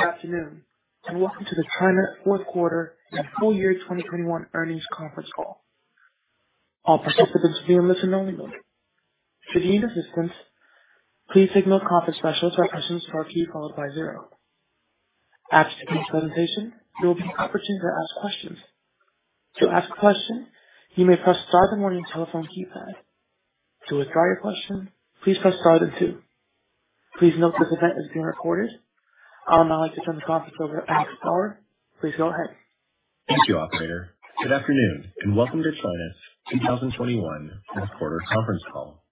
Good afternoon, and welcome to the TriNet Fourth Quarter and Full Year 2021 Earnings Conference Call. All participants are in a listen-only mode. If you need assistance, please signal a conference specialist by pressing star key followed by zero. After today's presentation, there will be an opportunity to ask questions. To ask a question, you may press star then one on your telephone keypad. To withdraw your question, please press star then two. Please note this event is being recorded. I'd like to turn the conference over to Alex Bauer. Please go ahead. Thank you, operator. Good afternoon, and welcome to TriNet's 2021 fourth quarter conference call.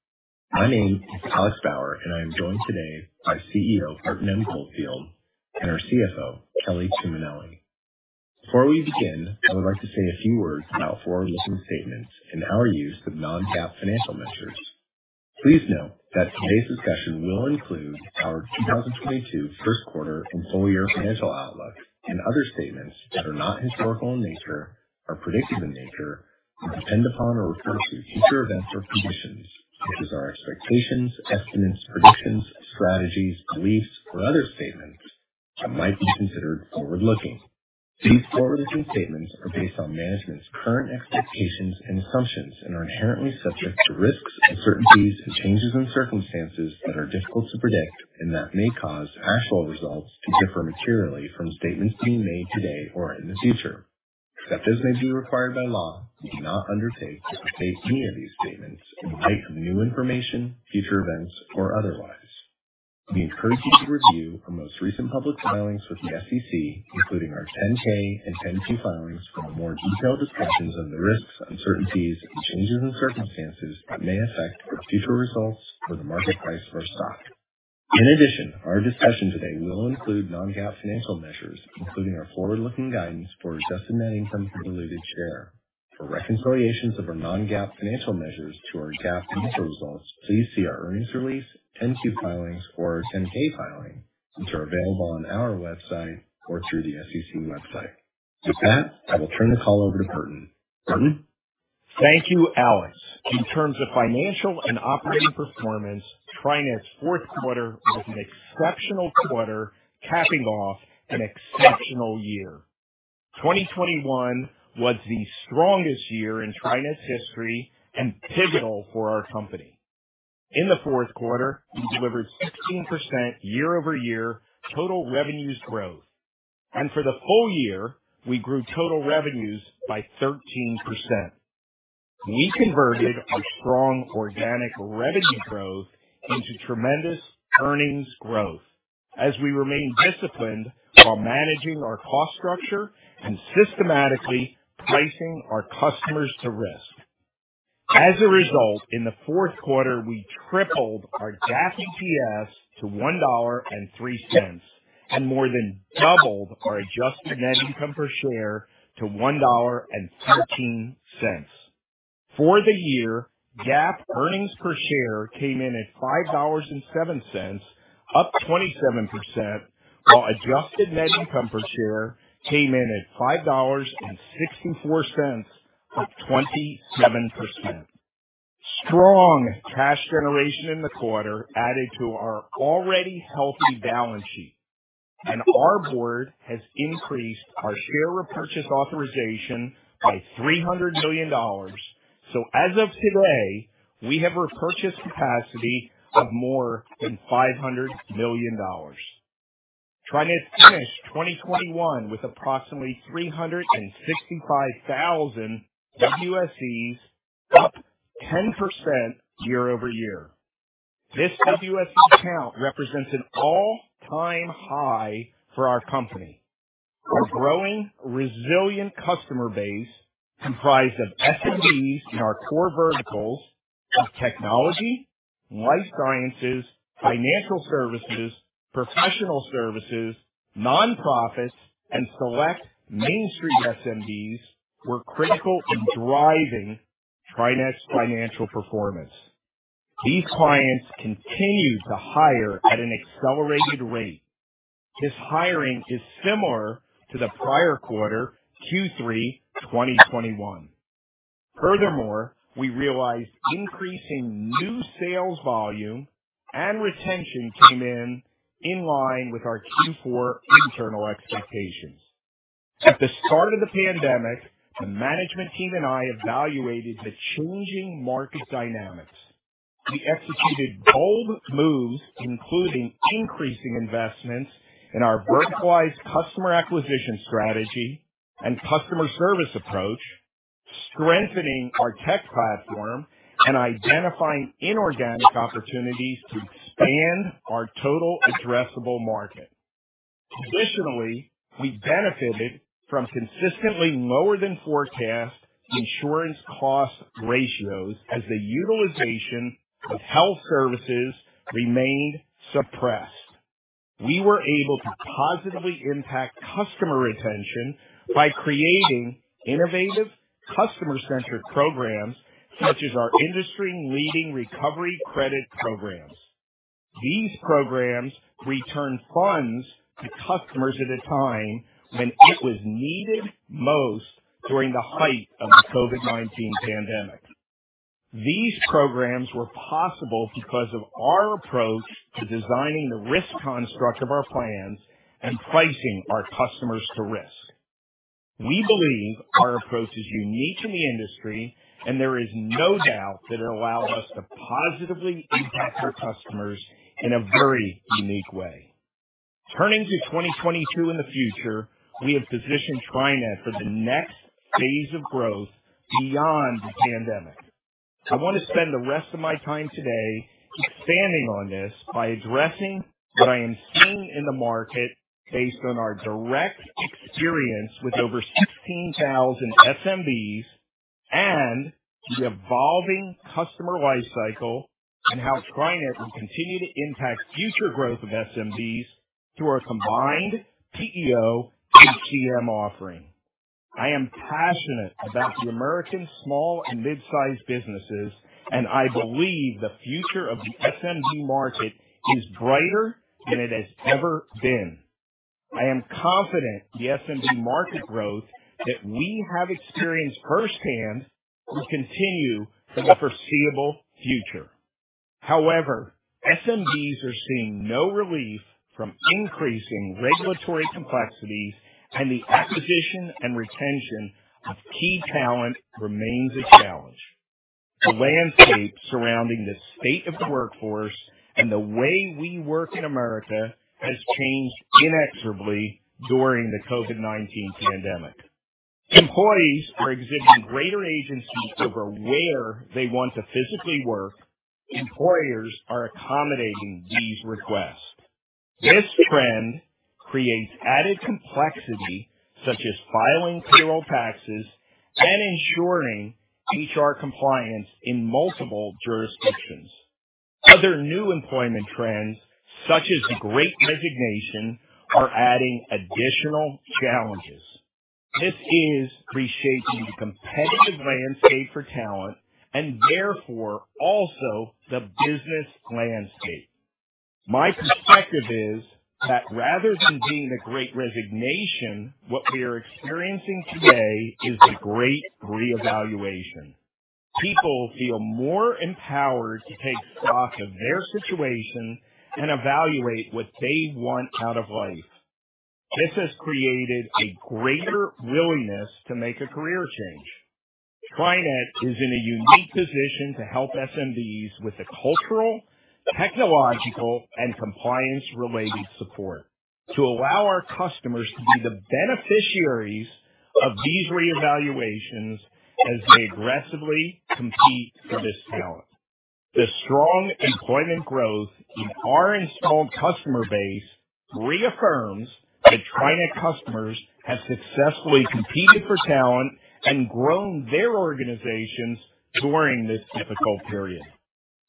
My name is Alex Bauer, and I am joined today by CEO, Burton M. Goldfield and our CFO, Kelly Tuminelli. Before we begin, I would like to say a few words about forward-looking statements and our use of non-GAAP financial measures. Please note that today's discussion will include our 2022 first quarter and full year financial outlook and other statements that are not historical in nature, are predictive in nature and depend upon or refer to future events or conditions, such as our expectations, estimates, predictions, strategies, beliefs, or other statements that might be considered forward-looking. These forward-looking statements are based on management's current expectations and assumptions and are inherently subject to risks, uncertainties and changes in circumstances that are difficult to predict and that may cause actual results to differ materially from statements being made today or in the future. Except as may be required by law, we do not undertake to update any of these statements in light of new information, future events or otherwise. We encourage you to review our most recent public filings with the SEC, including our 10-K and 10-Q filings, for more detailed discussions on the risks, uncertainties and changes in circumstances that may affect our future results or the market price for our stock. In addition, our discussion today will include non-GAAP financial measures, including our forward-looking guidance for adjusted net income per diluted share. For reconciliations of our non-GAAP financial measures to our GAAP financial results, please see our earnings release, 10-Q filings or our 10-K filing, which are available on our website or through the SEC website. With that, I will turn the call over to Burton. Burton? Thank you, Alex. In terms of financial and operating performance, TriNet's fourth quarter was an exceptional quarter, capping off an exceptional year. 2021 was the strongest year in TriNet's history and pivotal for our company. In the fourth quarter, we delivered 16% year-over-year total revenues growth, and for the full year, we grew total revenues by 13%. We converted our strong organic revenue growth into tremendous earnings growth as we remain disciplined while managing our cost structure and systematically pricing our customers to risk. As a result, in the fourth quarter, we tripled our GAAP EPS to $1.03 and more than doubled our adjusted net income per share to $1.13. For the year, GAAP earnings per share came in at $5.07, up 27%, while adjusted net income per share came in at $5.64, up 27%. Strong cash generation in the quarter added to our already healthy balance sheet, and our board has increased our share repurchase authorization by $300 million. As of today, we have repurchase capacity of more than $500 million. TriNet finished 2021 with approximately 365,000 WSEs, up 10% year-over-year. This WSE count represents an all-time high for our company. Our growing resilient customer base, comprised of SMBs in our core verticals of technology, life sciences, financial services, professional services, nonprofits, and select Main Street SMBs, were critical in driving TriNet's financial performance. These clients continued to hire at an accelerated rate. This hiring is similar to the prior quarter, Q3 2021. Furthermore, we realized increasing new sales volume and retention came in, in-line with our Q4 internal expectations. At the start of the pandemic, the management team and I evaluated the changing market dynamics. We executed bold moves, including increasing investments in our verticalized customer acquisition strategy and customer service approach, strengthening our tech platform, and identifying inorganic opportunities to expand our total addressable market. Additionally, we benefited from consistently lower than forecast insurance cost ratios as the utilization of health services remained suppressed. We were able to positively impact customer retention by creating innovative customer-centric programs such as our industry-leading recovery credit programs. These programs returned funds to customers at a time when it was needed most during the height of the COVID-19 pandemic. These programs were possible because of our approach to designing the risk construct of our plans and pricing our customers to risk. We believe our approach is unique in the industry, and there is no doubt that it allows us to positively impact our customers in a very unique way. Turning to 2022 and the future, we have positioned TriNet for the next phase of growth beyond the pandemic. I want to spend the rest of my time today expanding on this by addressing what I am seeing in the market based on our direct experience with over 16,000 SMBs and the evolving customer life cycle and how TriNet will continue to impact future growth of SMBs through our combined PEO-HCM offering. I am passionate about the American small and mid-sized businesses, and I believe the future of the SMB market is brighter than it has ever been. I am confident the SMB market growth that we have experienced firsthand will continue for the foreseeable future. However, SMBs are seeing no relief from increasing regulatory complexities, and the acquisition and retention of key talent remains a challenge. The landscape surrounding the state of the workforce and the way we work in America has changed inexorably during the COVID-19 pandemic. Employees are exhibiting greater agency over where they want to physically work. Employers are accommodating these requests. This trend creates added complexity, such as filing payroll taxes and ensuring HR compliance in multiple jurisdictions. Other new employment trends, such as the great resignation, are adding additional challenges. This is reshaping the competitive landscape for talent and therefore also the business landscape. My perspective is that rather than being a great resignation, what we are experiencing today is a great reevaluation. People feel more empowered to take stock of their situation and evaluate what they want out of life. This has created a greater willingness to make a career change. TriNet is in a unique position to help SMBs with the cultural, technological, and compliance-related support to allow our customers to be the beneficiaries of these reevaluations as they aggressively compete for this talent. The strong employment growth in our installed customer base reaffirms that TriNet customers have successfully competed for talent and grown their organizations during this difficult period.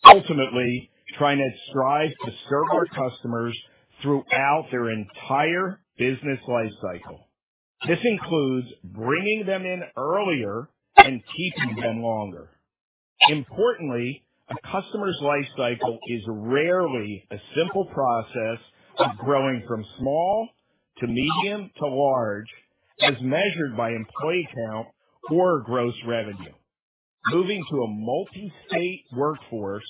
Ultimately, TriNet strives to serve our customers throughout their entire business life cycle. This includes bringing them in earlier and keeping them longer. Importantly, a customer's life cycle is rarely a simple process of growing from small to medium to large, as measured by employee count or gross revenue. Moving to a multi-state workforce,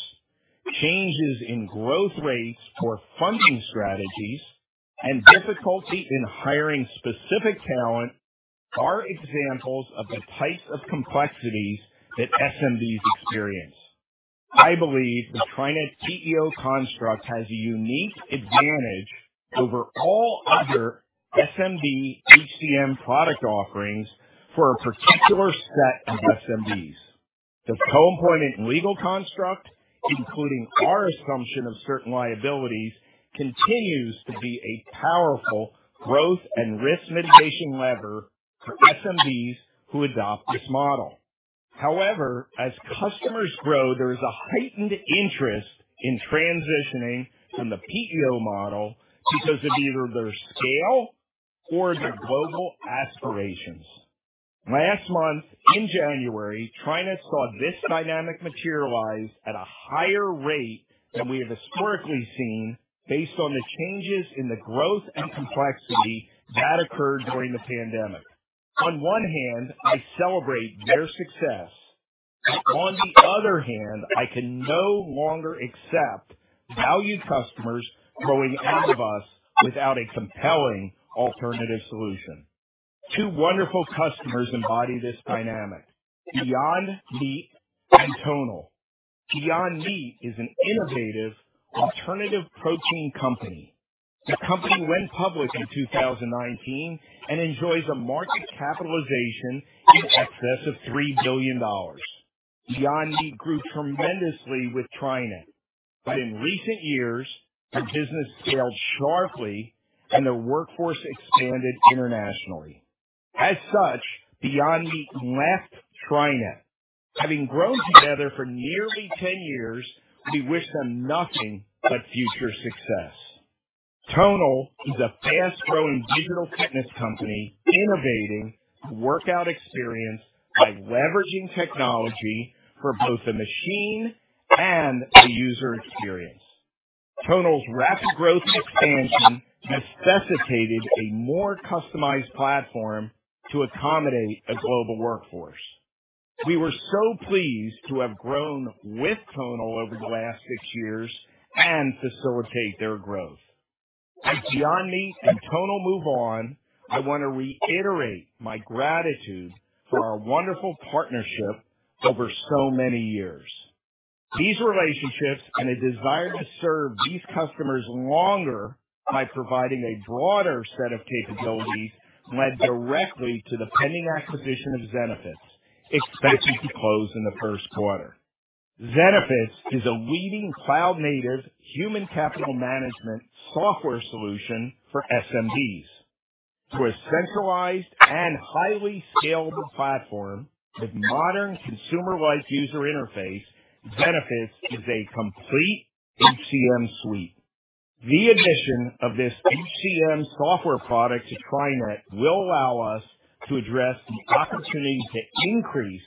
changes in growth rates or funding strategies, and difficulty in hiring specific talent are examples of the types of complexities that SMBs experience. I believe the TriNet PEO construct has a unique advantage over all other SMB HCM product offerings for a particular set of SMBs. The co-employment and legal construct, including our assumption of certain liabilities, continues to be a powerful growth and risk mitigation lever for SMBs who adopt this model. However, as customers grow, there is a heightened interest in transitioning from the PEO model because of either their scale or their global aspirations. Last month, in January, TriNet saw this dynamic materialize at a higher rate than we have historically seen based on the changes in the growth and complexity that occurred during the pandemic. On one hand, I celebrate their success. On the other hand, I can no longer accept valued customers growing out of us without a compelling alternative solution. Two wonderful customers embody this dynamic, Beyond Meat and Tonal. Beyond Meat is an innovative alternative protein company. The company went public in 2019 and enjoys a market capitalization in excess of $3 billion. Beyond Meat grew tremendously with TriNet. In recent years, the business scaled sharply and their workforce expanded internationally. As such, Beyond Meat left TriNet. Having grown together for nearly 10 years, we wish them nothing but future success. Tonal is a fast-growing digital fitness company innovating the workout experience by leveraging technology for both the machine and the user experience. Tonal's rapid growth and expansion necessitated a more customized platform to accommodate a global workforce. We were so pleased to have grown with Tonal over the last six years and facilitate their growth. As Janme and Tonal move on, I want to reiterate my gratitude for our wonderful partnership over so many years. These relationships, and a desire to serve these customers longer by providing a broader set of capabilities, led directly to the pending acquisition of Zenefits, expected to close in the first quarter. Zenefits is a leading cloud-native human capital management software solution for SMBs. Through a centralized and highly scalable platform with modern consumer-wise user interface, Zenefits is a complete HCM suite. The addition of this HCM software product to TriNet will allow us to address the opportunity to increase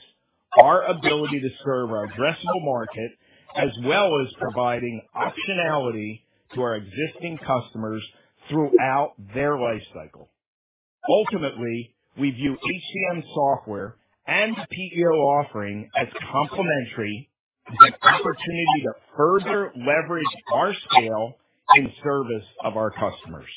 our ability to serve our addressable market, as well as providing optionality to our existing customers throughout their life cycle. Ultimately, we view HCM software and PEO offering as complementary with an opportunity to further leverage our scale in service of our customers.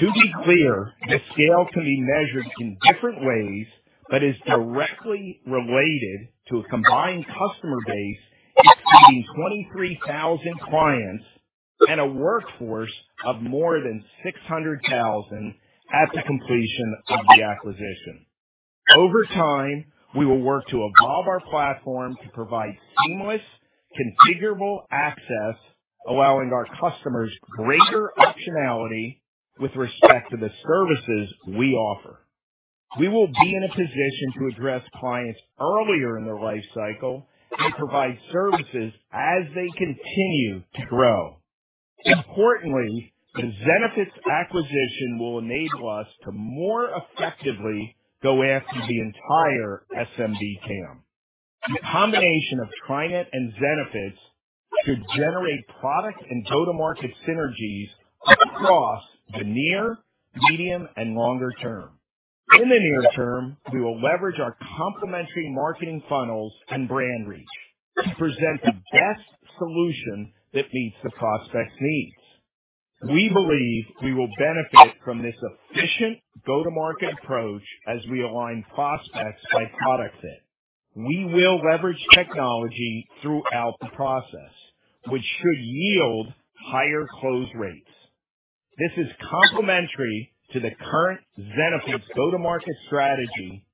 To be clear, the scale can be measured in different ways, but is directly related to a combined customer base exceeding 23,000 clients and a workforce of more than 600,000 at the completion of the acquisition. Over time, we will work to evolve our platform to provide seamless, configurable access, allowing our customers greater optionality with respect to the services we offer. We will be in a position to address clients earlier in their life cycle and provide services as they continue to grow. Importantly, the Zenefits acquisition will enable us to more effectively go after the entire SMB TAM. The combination of TriNet and Zenefits should generate product and go-to-market synergies across the near, medium, and longer term. In the near term, we will leverage our complementary marketing funnels and brand reach, to present the best solution that meets the prospect's needs. We believe we will benefit from this efficient go-to-market approach as we align prospects by product fit. We will leverage technology throughout the process, which should yield higher close rates. This is complementary to the current Zenefits go-to-market strategy,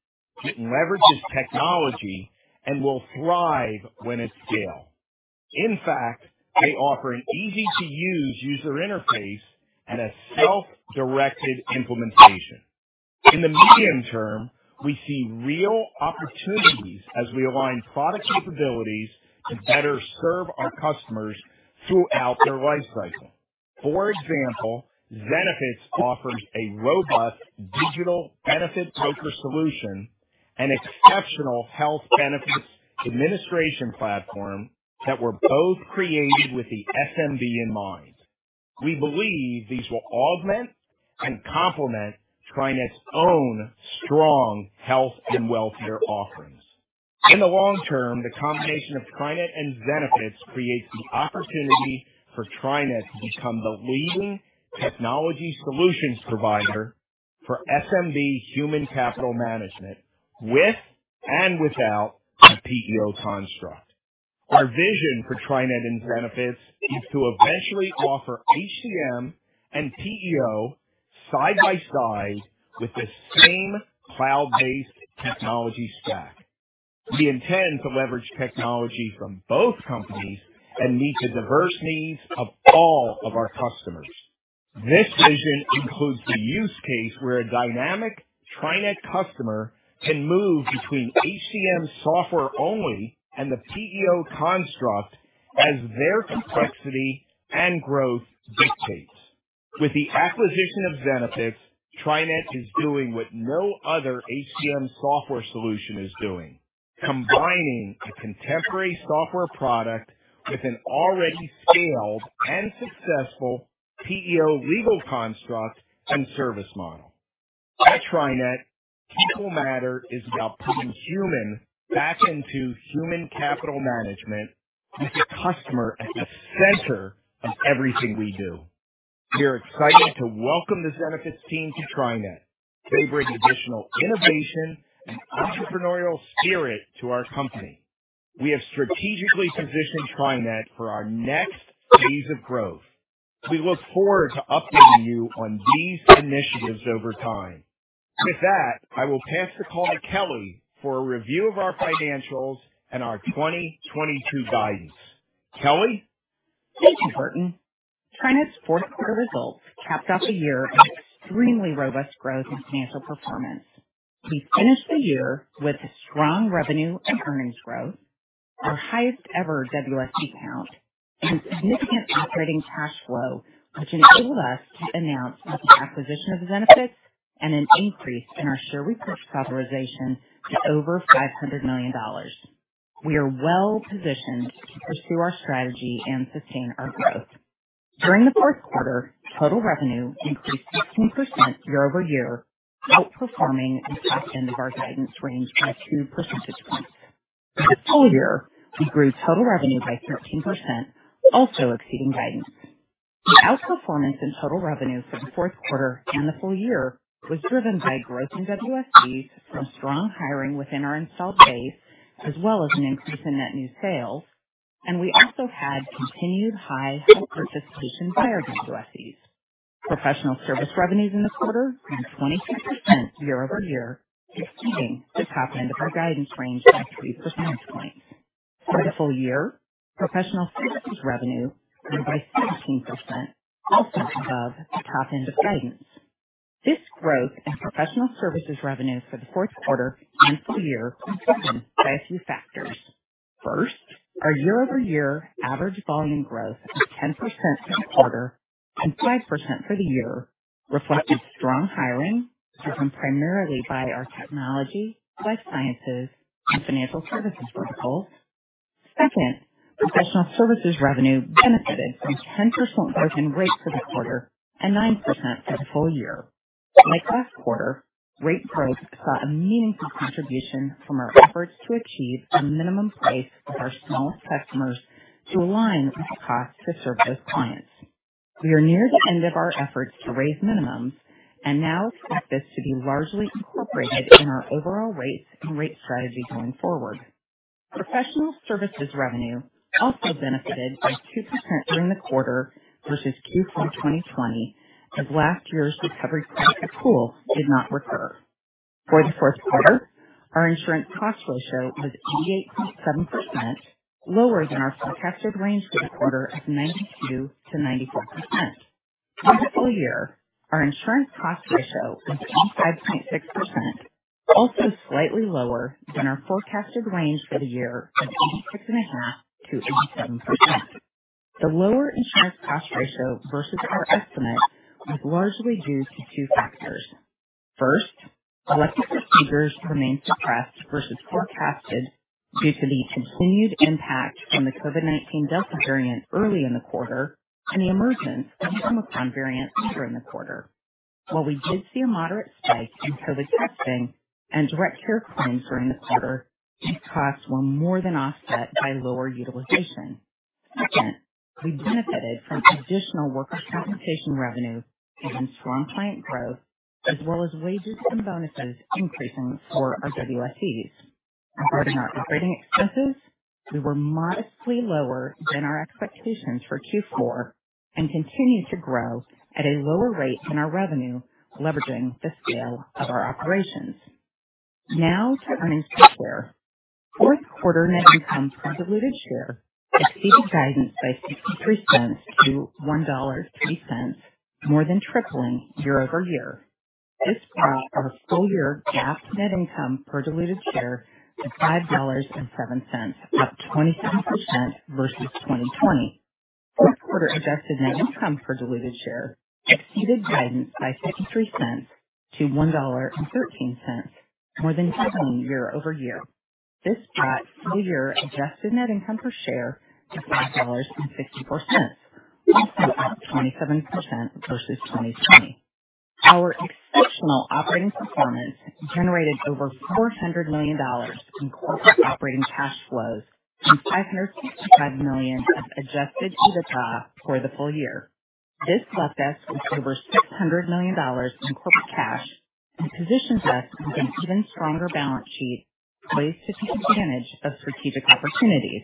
it leverages technology and will thrive when at scale. In fact, they offer an easy-to-use user interface and a self-directed implementation. In the medium term, we see real opportunities as we align product capabilities to better serve our customers throughout their life cycle. For example, Zenefits offers a robust digital benefit broker solution and exceptional health benefits administration platform that were both created with the SMB in mind. We believe these will augment and complement TriNet's own strong health and welfare offerings. In the long term, the combination of TriNet and Zenefits creates the opportunity for TriNet to become the leading technology solutions provider for SMB human capital management, with and without a PEO construct. Our vision for TriNet and Zenefits is to eventually offer HCM and PEO side-by-side with the same cloud-based technology stack. We intend to leverage technology from both companies and meet the diverse needs of all of our customers. This vision includes the use case where a dynamic TriNet customer can move between HCM software only and the PEO construct as their complexity and growth dictates. With the acquisition of Zenefits, TriNet is doing what no other HCM software solution is doing, combining a contemporary software product with an already scaled and successful PEO legal construct and service model. At TriNet, people matter is about putting human back into human capital management with the customer at the center of everything we do. We are excited to welcome the Zenefits team to TriNet. They bring additional innovation and entrepreneurial spirit to our company. We have strategically positioned TriNet for our next phase of growth. We look forward to updating you on these initiatives over time. With that, I will pass the call to Kelly for a review of our financials and our 2022 guidance. Kelly? Thank you, Burton. TriNet's fourth quarter results capped off a year of extremely robust growth and financial performance. We finished the year with a strong revenue and earnings growth, our highest ever WSE count, and significant operating cash flow, which enabled us to announce the acquisition of Zenefits and an increase in our share repurchase authorization to over $500 million. We are well positioned to pursue our strategy and sustain our growth. During the fourth quarter, total revenue increased 16% year-over-year, outperforming the top end of our guidance range by 2 percentage points. For the full year, we grew total revenue by 13%, also exceeding guidance. The outperformance in total revenue for the fourth quarter and the full year was driven by growth in WSEs from strong hiring within our installed base, as well as an increase in net new sales, and we also had continued high health participation by our WSEs. Professional service revenues in the quarter grew 22% year-over-year, exceeding the top end of our guidance range by 3 percentage points. For the full year, professional services revenue grew by 17%, also above the top end of guidance. This growth in professional services revenue for the fourth quarter and full year was driven by a few factors. First, our year-over-year average volume growth of 10% for the quarter and 5% for the year reflected strong hiring driven primarily by our technology, life sciences, and financial services verticals. Second, professional services revenue benefited from 10% growth in rate for the quarter and 9% for the full year. Like last quarter, rate growth saw a meaningful contribution from our efforts to achieve a minimum price for our smallest customers to align with the cost to serve those clients. We are near the end of our efforts to raise minimums and now expect this to be largely incorporated in our overall rates and rate strategy going forward. Professional services revenue also benefited by 2% during the quarter versus Q4 2020, as last year's recovery credit pool did not recur. For the fourth quarter, our insurance cost ratio was 88.7%, lower than our forecasted range for the quarter of 92%-94%. For the full year, our insurance cost ratio was 85.6%, also slightly lower than our forecasted range for the year of 86.5%-87%. The lower insurance cost ratio versus our estimate was largely due to two factors. First, elective procedures remained suppressed versus forecasted due to the continued impact from the COVID-19 Delta variant early in the quarter and the emergence of the Omicron variant later in the quarter. While we did see a moderate spike in COVID testing and direct care claims during the quarter, these costs were more than offset by lower utilization. Second, we benefited from additional workers' compensation revenue and strong client growth, as well as wages and bonuses increasing for our WSEs. Regarding our operating expenses, we were modestly lower than our expectations for Q4 and continued to grow at a lower rate than our revenue, leveraging the scale of our operations. Now to earnings per share. Fourth quarter net income per diluted share exceeded guidance by $0.63-$1.03, more than tripling year-over-year. This brought our full-year GAAP net income per diluted share to $5.07, up 27% versus 2020. Fourth quarter adjusted net income per diluted share exceeded guidance by $0.63-$1.13, more than doubling year-over-year. This brought full-year adjusted net income per share to $5.64, also up 27% versus 2020. Our exceptional operating performance generated over $400 million in corporate operating cash flows and $565 million of adjusted EBITDA for the full year. This left us with over $600 million in corporate cash and positions us with an even stronger balance sheet poised to take advantage of strategic opportunities.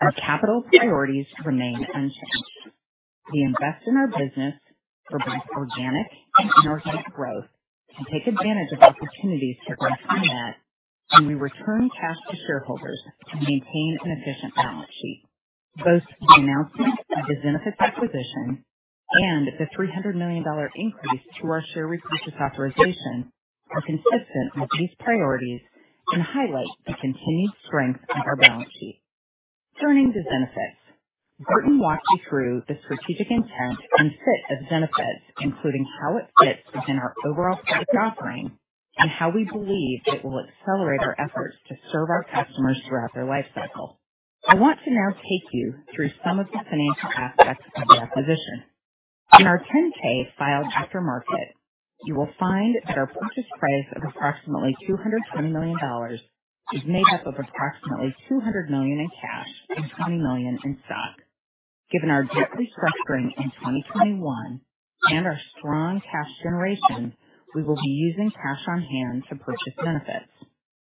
Our capital priorities remain unchanged. We invest in our business for both organic and inorganic growth and take advantage of opportunities to grow finance, and we return cash to shareholders to maintain an efficient balance sheet. Both the announcement of the Zenefits acquisition and the $300 million increase to our share repurchase authorization are consistent with these priorities and highlight the continued strength of our balance sheet. Turning to Zenefits, Burton walked you through the strategic intent and fit of Zenefits, including how it fits within our overall product offering and how we believe it will accelerate our efforts to serve our customers throughout their life cycle. I want to now take you through some of the financial aspects of the acquisition. In our 10-K filed after market, you will find that our purchase price of approximately $220 million is made up of approximately $200 million in cash and $20 million in stock. Given our debt restructuring in 2021 and our strong cash generation, we will be using cash-on-hand to purchase Zenefits.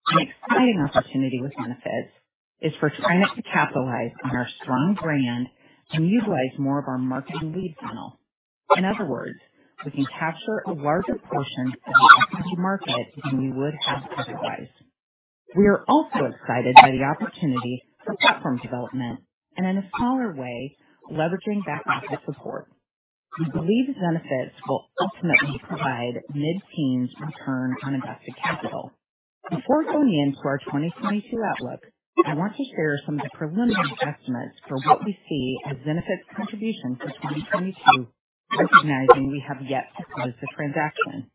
An exciting opportunity with Zenefits is for TriNet to capitalize on our strong brand and utilize more of our marketing lead funnel. In other words, we can capture a larger portion of the equity market than we would have otherwise. We are also excited by the opportunity for platform development and in a smaller way, leveraging back office support. We believe Zenefits will ultimately provide mid-teens return on invested capital. Before going into our 2022 outlook, I want to share some of the preliminary estimates for what we see as Zenefits contribution for 2022, recognizing we have yet to close the transaction.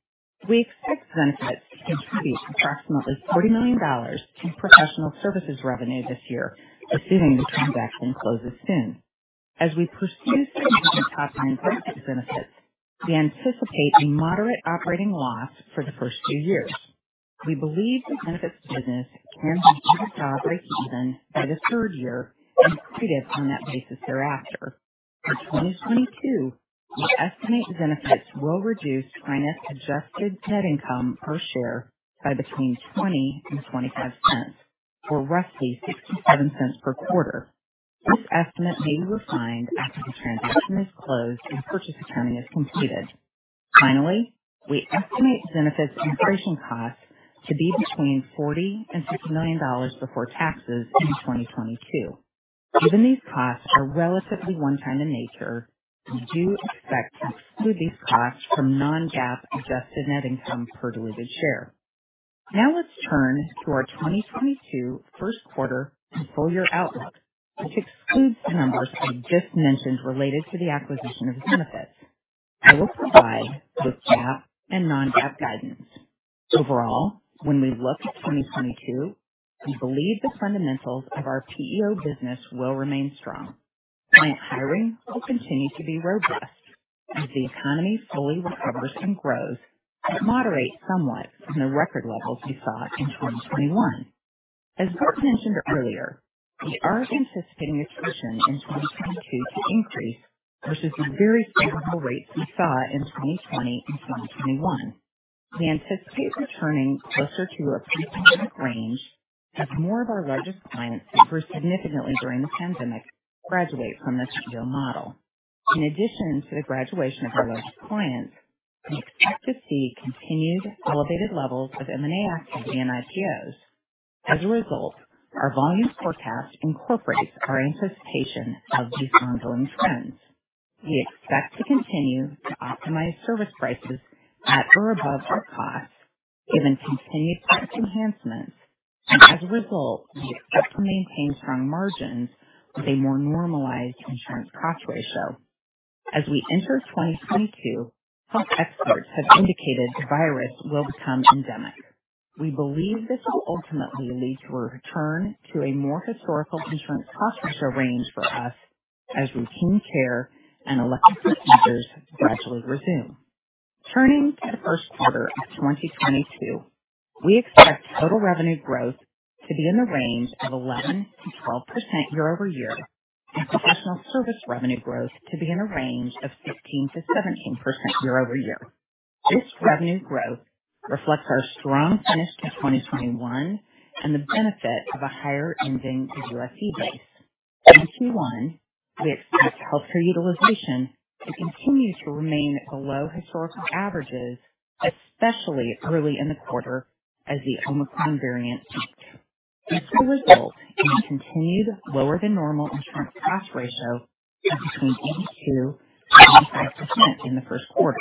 We expect Zenefits to contribute approximately $40 million in professional services revenue this year, assuming the transaction closes soon. As we pursue significant top-line growth at Zenefits, we anticipate a moderate operating loss for the first two years. We believe the Zenefits business can achieve just breakeven by the third year and accretive on that basis thereafter. For 2022, we estimate Zenefits will reduce TriNet adjusted net income per share by between $0.20 and $0.25 or roughly $0.67 per quarter. This estimate may be refined after the transaction is closed and purchase accounting is completed. Finally, we estimate Zenefits integration costs to be between $40 million and $60 million before taxes in 2022. Given these costs are relatively one-time in nature, we do expect to exclude these costs from non-GAAP adjusted net income per diluted share. Now let's turn to our 2022 first quarter and full year outlook, which excludes the numbers I just mentioned related to the acquisition of Zenefits. I will provide both GAAP and non-GAAP guidance. Overall, when we look at 2022, we believe the fundamentals of our PEO business will remain strong. Client hiring will continue to be robust as the economy fully recovers from growth, but moderate somewhat from the record levels we saw in 2021. As Burton mentioned earlier, we are anticipating attrition in 2022 to increase, versus the very favorable rates we saw in 2020 and 2021. We anticipate returning closer to a pre-pandemic range as more of our largest clients who grew significantly during the pandemic graduate from the PEO model. In addition to the graduation of our largest clients, we expect to see continued elevated levels of M&A activity and IPOs. As a result, our volume forecast incorporates our anticipation of these ongoing trends. We expect to continue to optimize service prices at or above our costs given continued price enhancements. As a result, we expect to maintain strong margins with a more normalized insurance cost ratio. As we enter 2022, health experts have indicated the virus will become endemic. We believe this will ultimately lead to a return to a more historical insurance cost ratio range for us as routine care and elective procedures gradually resume. Turning to the first quarter of 2022, we expect total revenue growth to be in the range of 11%-12% year-over-year and professional service revenue growth to be in a range of 15%-17% year-over-year. This revenue growth reflects our strong finish to 2021 and the benefit of a higher ending WSE base. In Q1, we expect healthcare utilization to continue to remain below historical averages, especially early in the quarter as the Omicron variant peaks. As a result, we continue lower than normal insurance cost ratio of between 82%-85% in the first quarter.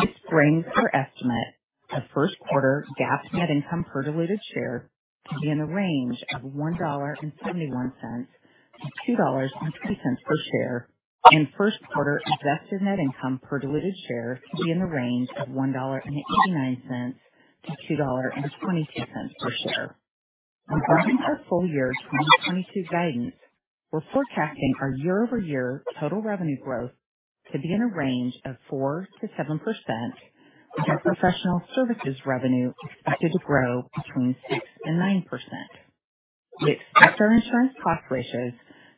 This brings our estimate of first quarter GAAP net income per diluted share to be in a range of $1.71-$2.02 per share, and first quarter adjusted net income per diluted share to be in the range of $1.89-$2.22 per share. Regarding our full year 2022 guidance, we're forecasting our year-over-year total revenue growth to be in a range of 4%-7%, with our professional services revenue expected to grow between 6% and 9%. We expect our insurance cost ratios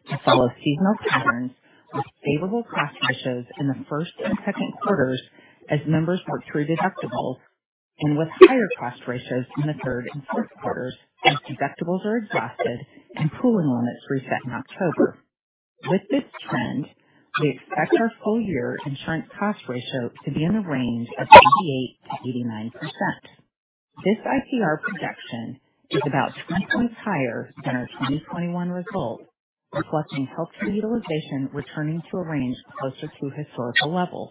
to follow seasonal patterns with favorable cost ratios in the first and second quarters as members work through deductibles and with higher cost ratios in the third and fourth quarters as deductibles are exhausted and pooling limits reset in October. With this trend, we expect our full year insurance cost ratio to be in the range of 88%-89%. This ICR projection is about two points higher than our 2021 result, reflecting healthcare utilization returning to a range closer to historical levels.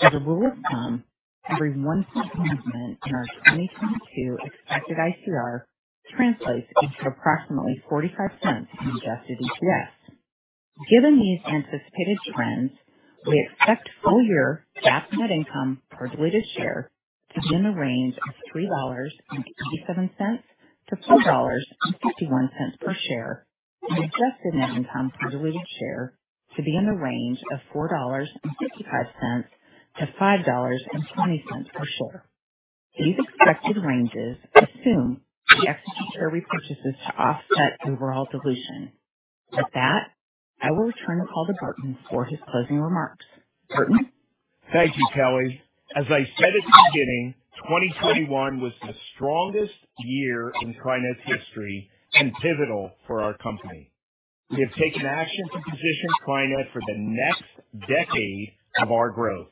As a rule of thumb, every one point movement in our 2022 expected ICR translates into approximately $0.45 in adjusted EPS. Given these anticipated trends, we expect full year GAAP net income per diluted share to be in the range of $3.87-$4.51 per share, and adjusted net income per diluted share to be in the range of $4.55-$5.20 per share. These expected ranges assume we execute share repurchases to offset overall dilution. With that, I will return the call to Burton for his closing remarks. Burton? Thank you, Kelly. As I said at the beginning, 2021 was the strongest year in TriNet's history and pivotal for our company. We have taken action to position TriNet for the next decade of our growth.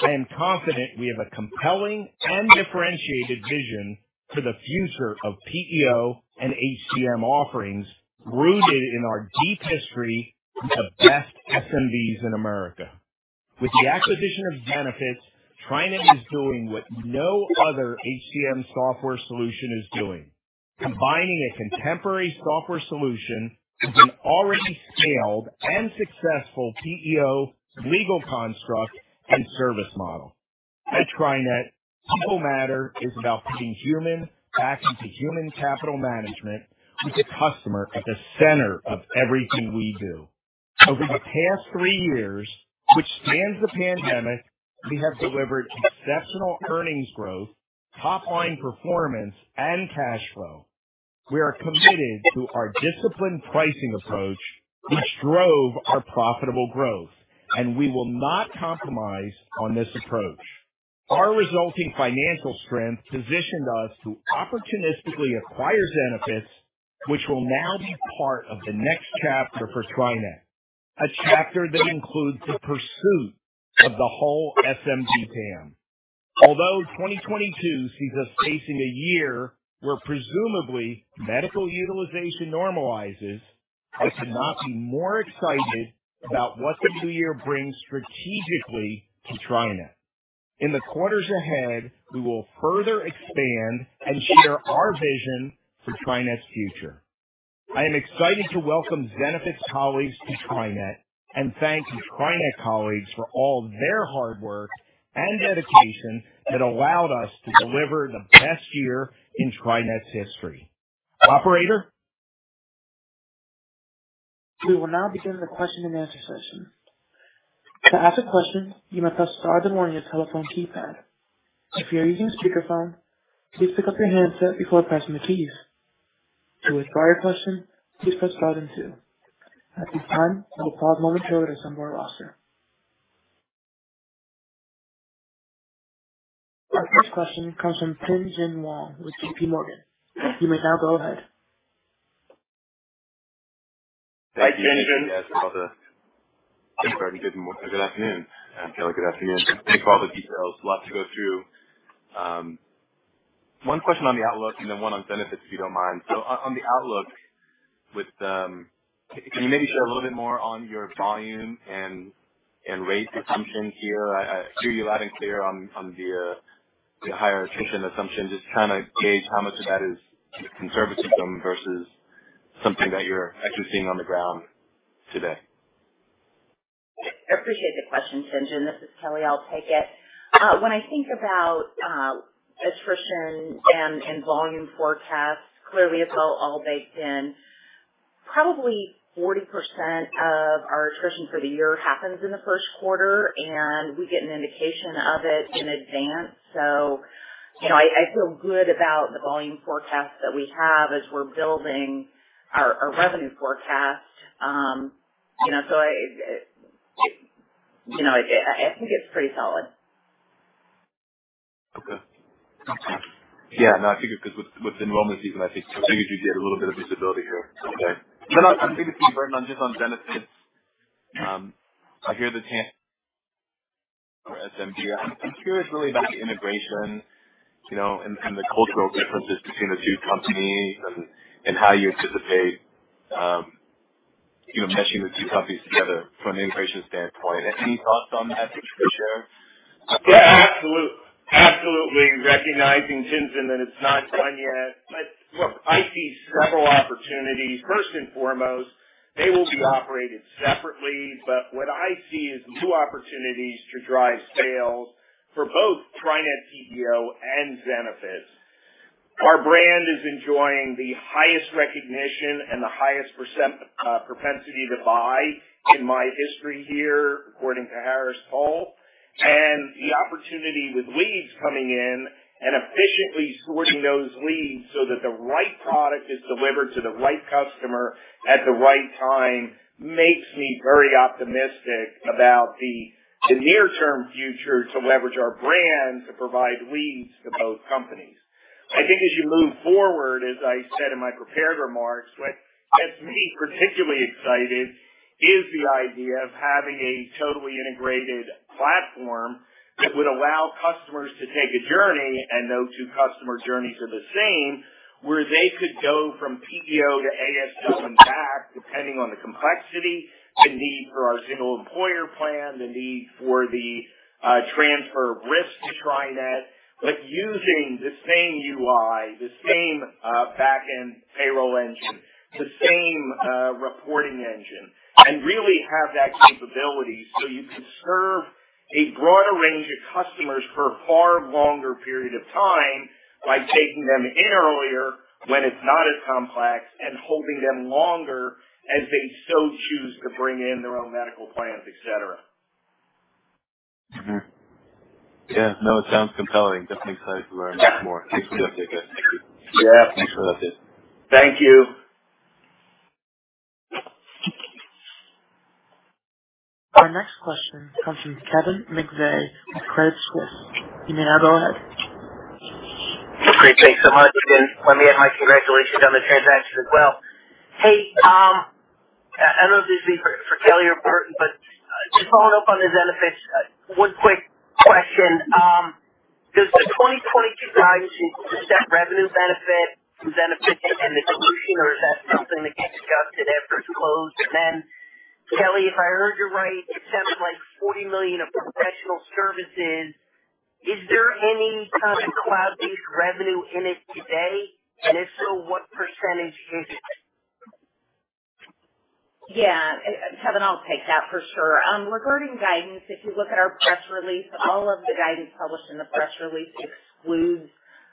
I am confident we have a compelling and differentiated vision for the future of PEO and HCM offerings rooted in our deep history with the best SMBs in America. With the acquisition of Zenefits, TriNet is doing what no other HCM software solution is doing. Combining a contemporary software solution with an already scaled and successful PEO legal construct and service model. At TriNet, People Matter is about putting human back into human capital management with the customer at the center of everything we do. Over the past three years, which spans the pandemic, we have delivered exceptional earnings growth, top line performance, and cash flow. We are committed to our disciplined pricing approach, which drove our profitable growth, and we will not compromise on this approach. Our resulting financial strength positioned us to opportunistically acquire Zenefits, which will now be part of the next chapter for TriNet. A chapter that includes the pursuit of the whole SMB TAM. Although 2022 sees us facing a year where presumably medical utilization normalizes, I could not be more excited about what the new year brings strategically to TriNet. In the quarters ahead, we will further expand and share our vision for TriNet's future. I am excited to welcome Zenefits colleagues to TriNet and thank TriNet colleagues for all their hard work and dedication that allowed us to deliver the best year in TriNet's history. Operator. We will now begin the question-and-answer session. To ask a question, you must press star then one on your telephone keypad. If you are using a speakerphone, please pick up your handset before pressing the keys. To withdraw your question, please press star then two. At this time, I will pause momentarily to assemble our roster. Our first question comes from Tien-Tsin Huang with J.P. Morgan. You may now go ahead. Thank you. Yes, Burton, good morning. Good afternoon. Kelly, good afternoon. Thanks for all the details. Lots to go through. One question on the outlook and then one on Zenefits, if you don't mind. On the outlook, can you maybe share a little bit more on your volume and rate assumptions here? I hear you loud and clear on your higher attrition assumption. Just trying to gauge how much of that is conservatism versus something that you're actually seeing on the ground today? I appreciate the question, Tien-Tsin. This is Kelly. I'll take it. When I think about attrition and volume forecasts, clearly it's all baked in. Probably 40% of our attrition for the year happens in the first quarter, and we get an indication of it in advance. You know, I feel good about the volume forecast that we have as we're building our revenue forecast. You know, I think it's pretty solid. Okay. Yeah, no, I think it's because with enrollment season, I think you do get a little bit of visibility here. Okay. No. I'm thinking, Burton, on just Zenefits. I hear the TAM for SMB. I'm curious really about the integration, you know, and the cultural differences between the two companies and how you anticipate, you know, meshing the two companies together from an integration standpoint. Any thoughts on that you could share? Yeah, absolutely. Recognizing, Tien-Tsin, that it's not done yet. Look, I see several opportunities. First and foremost, they will be operated separately, but what I see is new opportunities to drive sales for both TriNet PEO and Zenefits. Our brand is enjoying the highest recognition and the highest percent propensity to buy in my history here, according to Harris Poll. The opportunity with leads coming in and efficiently sorting those leads so that the right product is delivered to the right customer at the right time makes me very optimistic about the near term future to leverage our brand to provide leads to both companies. I think as you move forward, as I said in my prepared remarks, what gets me particularly excited is the idea of having a totally integrated platform that would allow customers to take a journey, and no two customer journeys are the same, where they could go from PEO to ASO and back, depending on the complexity, the need for our single employer plan, the need for the transfer of risk to TriNet. Using the same UI, the same back-end payroll engine, the same reporting engine, and really have that capability so you can serve a broader range of customers for a far longer period of time by taking them in earlier when it's not as complex and holding them longer as they so choose to bring in their own medical plans, et cetera. Yeah. No, it sounds compelling. Definitely excited to learn more. Thanks for the update, guys. Yeah. Thanks for the update. Thank you. Our next question comes from Kevin McVeigh with Credit Suisse. You may now go ahead. Great. Thanks so much. Let me add my congratulations on the transaction as well. Hey, I don't know if this is for Kelly or Burton, but just following up on the Zenefits, one quick question. Does the 2022 guidance include the net revenue benefit from Zenefits and the solution, or is that something that gets adjusted after it's closed? Kelly, if I heard you right, it's something like $40 million of professional services. Is there any kind of cloud-based revenue in it today? And if so, what percentage is it? Yeah. Kevin, I'll take that for sure. Regarding guidance, if you look at our press release, all of the guidance published in the press release excludes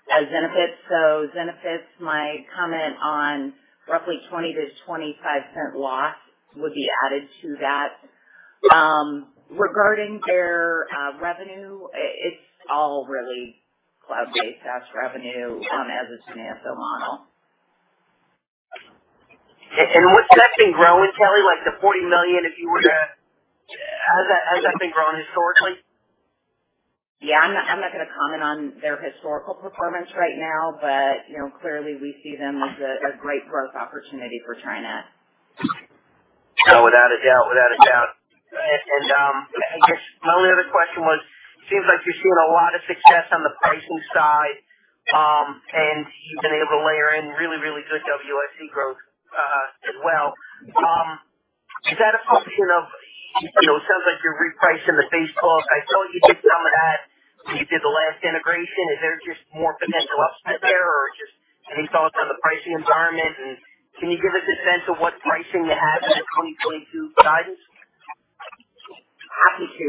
Zenefits. Zenefits, my comment on roughly $0.20-$0.25 loss would be added to that. Regarding their revenue, it's all really cloud-based SaaS revenue as a financial model. Would that be growing, Kelly? Like the $40 million if you were to... Has that been growing historically? Yeah. I'm not gonna comment on their historical performance right now, but you know, clearly we see them as a great growth opportunity for TriNet. No, without a doubt. I guess my only other question was, seems like you're seeing a lot of success on the pricing side, and you've been able to layer in really good WSE growth, as well. Is that a function of, you know, it sounds like you're repricing the base book. I saw you did some of that when you did the last integration. Is there just more potential out there or just any thoughts on the pricing environment? Can you give us a sense of what pricing you have in your 2022 guidance? Happy to,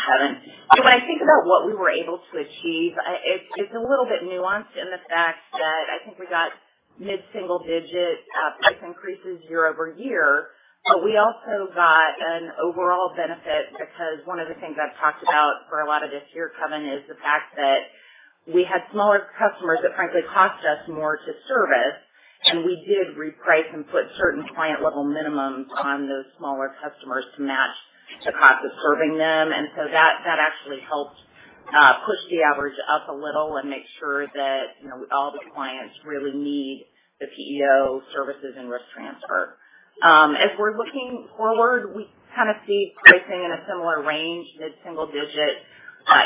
Kevin. When I think about what we were able to achieve, it's a little bit nuanced in the fact that I think we got mid-single digit price increases year-over-year. We also got an overall benefit because one of the things I've talked about for a lot of this year, Kevin, is the fact that we had smaller customers that frankly cost us more to service, and we did reprice and put certain client level minimums on those smaller customers to match the cost of serving them. That actually helped push the average up a little and make sure that, you know, all the clients really need the PEO services and risk transfer. As we're looking forward, we kind of see pricing in a similar range, mid-single digit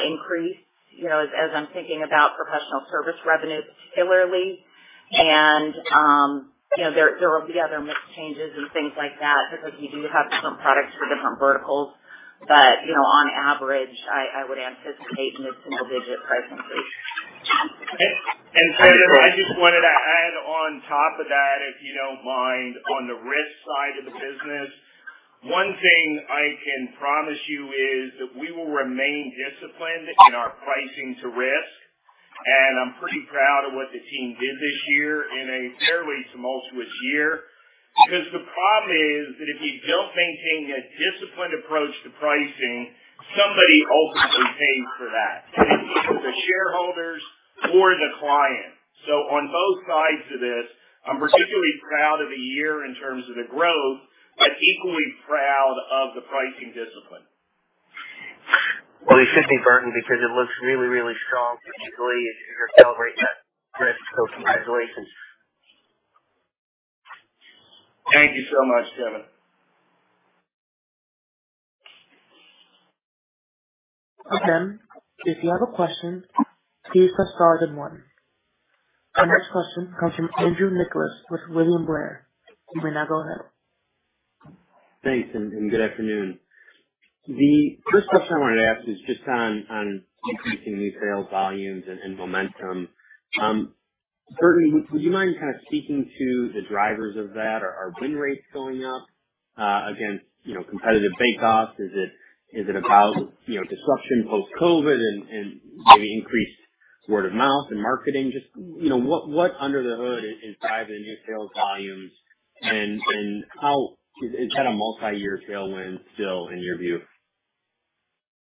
increase. You know, as I'm thinking about professional service revenue particularly. You know, there will be other mix changes and things like that because you do have different products for different verticals. You know, on average, I would anticipate mid-single digit pricing increase. Kevin, I just wanted to add on top of that, if you don't mind, on the risk side of the business. One thing I can promise you is that we will remain disciplined in our pricing to risk. I'm pretty proud of what the team did this year in a fairly tumultuous year. Because the problem is that if you don't maintain a disciplined approach to pricing, somebody ultimately pays for that, and it's either the shareholders or the client. On both sides of this, I'm particularly proud of the year in terms of the growth, but equally proud of the pricing discipline. Well, you should be Burton, because it looks really, really strong particularly as you're celebrating that risk. Congratulations. Thank you so much, Kevin. Again, if you have a question, please press star then one. Our next question comes from Andrew Nicholas with William Blair. You may now go ahead. Thanks, and good afternoon. The first question I wanted to ask is just on increasing new sales volumes and momentum. Certainly would you mind kind of speaking to the drivers of that? Are win rates going up, against, you know, competitive bake-offs? Is it about, you know, disruption post-COVID and maybe increased word of mouth and marketing? Just, you know, what under the hood is driving new sales volumes and how is it kind of multi-year tailwind still in your view?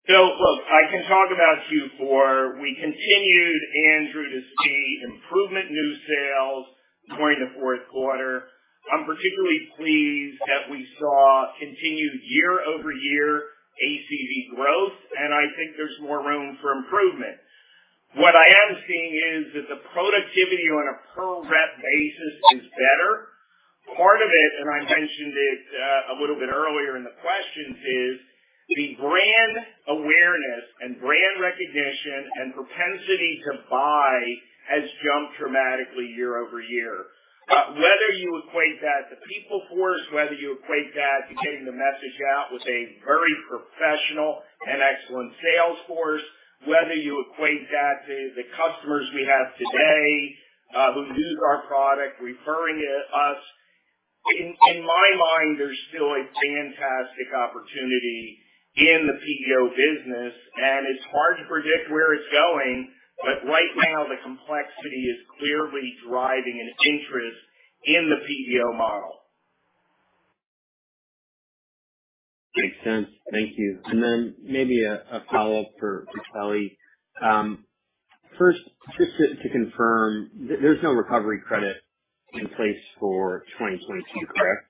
Look, I can talk about Q4. We continued, Andrew, to see improvement in new sales going into the fourth quarter. I'm particularly pleased that we saw continued year-over-year ACV growth, and I think there's more room for improvement. What I am seeing is that the productivity on a per rep basis is better. Part of it, and I mentioned it, a little bit earlier in the questions, is the brand awareness and brand recognition and propensity to buy has jumped dramatically year-over-year. Whether you equate that to PEO force, whether you equate that to getting the message out with a very professional and excellent sales force, whether you equate that to the customers we have today, who use our product, referring us. In my mind, there's still a fantastic opportunity in the PEO business, and it's hard to predict where it's going, but right now the complexity is clearly driving an interest in the PEO model. Makes sense. Thank you. Maybe a follow-up for Kelly. First, just to confirm there's no recovery credit in place for 2022, correct?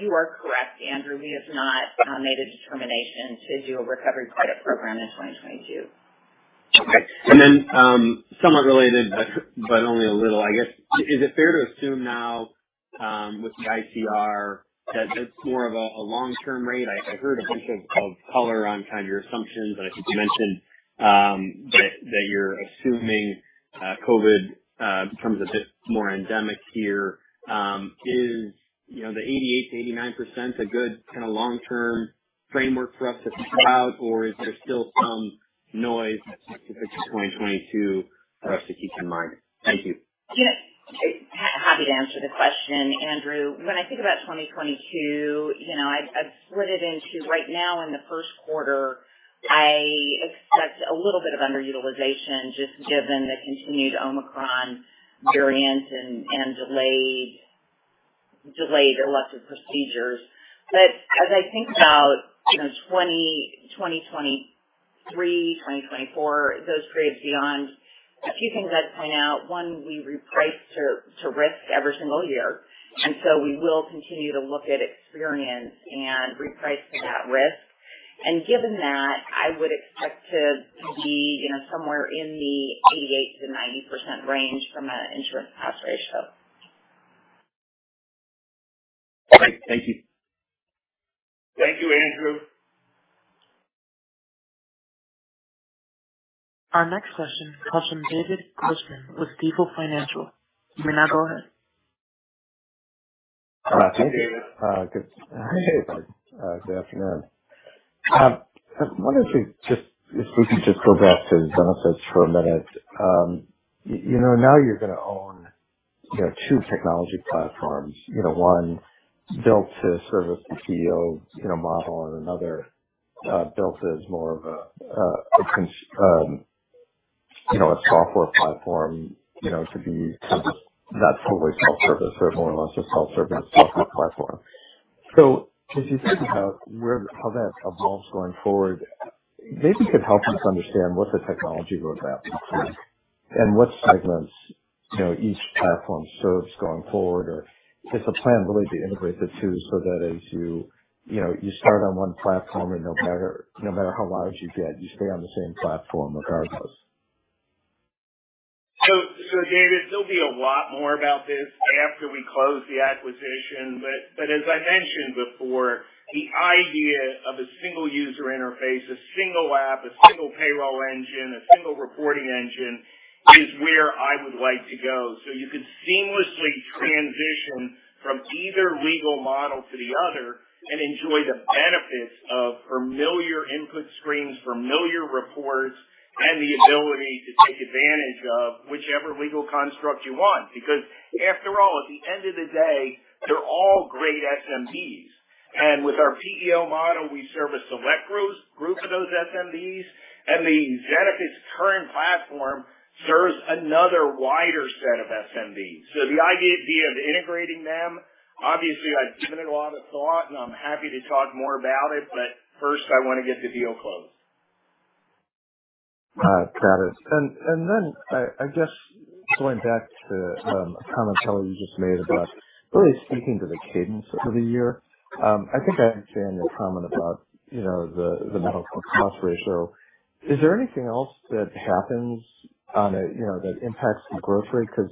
You are correct, Andrew. We have not made a determination to do a recovery credit program in 2022. Okay. Somewhat related, but only a little I guess, is it fair to assume now with the ICR that it's more of a long term rate? I heard a bunch of color on kind of your assumptions, and I think you mentioned that you're assuming COVID becomes a bit more endemic here. Is, you know, the 88%-89% a good kinda long term framework for us to think about, or is there still some noise specific to 2022 for us to keep in mind? Thank you. Yeah. Happy to answer the question, Andrew. When I think about 2022, you know, I split it into right now in the first quarter, I expect a little bit of underutilization just given the continued Omicron variant and delayed elective procedures. As I think about, you know, 2023, 2024, those periods beyond, a few things I'd point out. One, we reprice to risk every single year, and so we will continue to look at experience and reprice to that risk. Given that, I would expect to be, you know, somewhere in the 88%-90% range from an insurance cost ratio. Great. Thank you. Thank you, Andrew. Our next question comes from David Grossman with Stifel Financial. You may now go ahead. Hi. Thank you. Good afternoon. I was wondering if we could just go back to the Zenefits for a minute. You know, now you're gonna own, you know, two technology platforms, you know, one built to service the PEO model and another built as more of an ASO, you know, a software platform, you know, to be kind of not totally self-service, but more or less a self-service software platform. As you think about how that evolves going forward, maybe you could help us understand what the technology roadmap looks like and what segments, you know, each platform serves going forward, or is the plan really to integrate the two so that as you know, you start on one platform and no matter how large you get, you stay on the same platform regardless? David, there'll be a lot more about this after we close the acquisition. As I mentioned before, the idea of a single user interface, a single app, a single payroll engine, a single reporting engine is where I would like to go. You could seamlessly transition from either legal model to the other and enjoy the benefits of familiar input screens, familiar reports, and the ability to take advantage of whichever legal construct you want. Because after all, at the end of the day, they're all great SMBs. With our PEO model, we serve a select group of those SMBs, and Zenefits' current platform serves another wider set of SMBs. The idea of integrating them, obviously, I've given it a lot of thought, and I'm happy to talk more about it, but first I wanna get the deal closed. Got it. I guess going back to a comment, Kelly, you just made about really speaking to the cadence of the year. I think I understand the comment about, you know, the medical cost ratio. Is there anything else that happens on a, you know, that impacts the growth rate? Because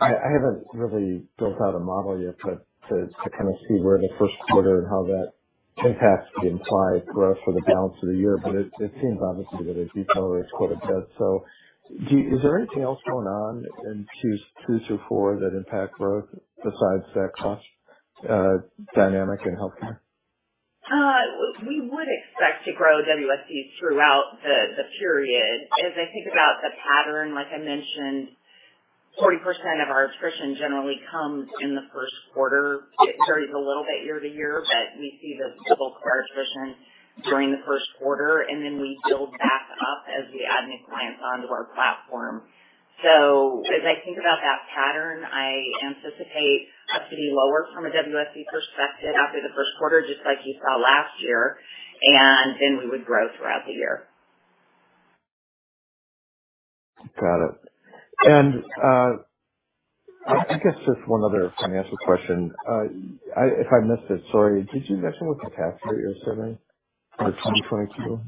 I haven't really built out a model yet to kind of see where the first quarter and how that impacts the implied growth for the balance of the year. It seems obviously that it decelerates quite a bit. Is there anything else going on in Q2 through Q4 that impact growth besides that cost dynamic in healthcare? We would expect to grow WSE throughout the period. As I think about the pattern, like I mentioned, 40% of our attrition generally comes in the first quarter. It varies a little bit year-to-year, but we see the bulk of our attrition during the first quarter, and then we build back up as we add new clients onto our platform. As I think about that pattern, I anticipate us to be lower from a WSE perspective after the first quarter, just like you saw last year, and then we would grow throughout the year. Got it. I guess just one other financial question. If I missed it, sorry. Did you mention what the tax rate you're assuming for 2022?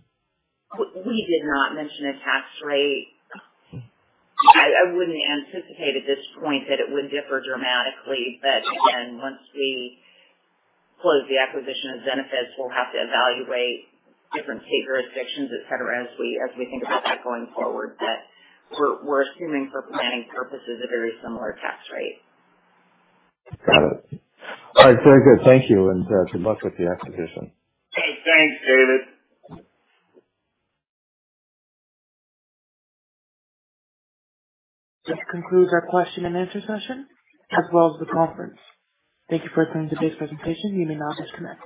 We did not mention a tax rate. Hmm. I wouldn't anticipate at this point that it would differ dramatically. Again, once we close the acquisition of Zenefits, we'll have to evaluate different jurisdictions, et cetera, as we think about that going forward. We're assuming for planning purposes a very similar tax rate. Got it. All right. Very good. Thank you, and good luck with the acquisition. Thanks. Thanks, David. This concludes our question and answer session, as well as the conference. Thank you for attending today's presentation. You may now disconnect.